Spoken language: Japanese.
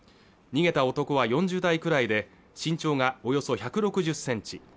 逃げた男は４０代くらいで身長がおよそ１６０センチ